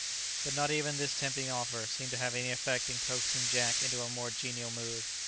But not even this tempting offer seemed to have any effect in coaxing Jack into a more genial mood.